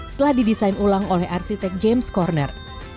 setelah didesain ulang oleh arsitek james corner